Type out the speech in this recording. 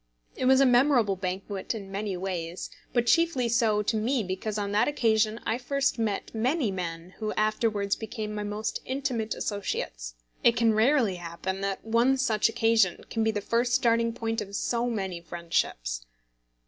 It was a memorable banquet in many ways, but chiefly so to me because on that occasion I first met many men who afterwards became my most intimate associates. It can rarely happen that one such occasion can be the first starting point of so many friendships.